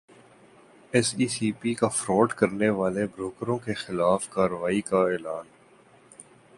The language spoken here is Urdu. ایس ای سی پی کا فراڈ کرنیوالے بروکروں کیخلاف کارروائی کا اعلان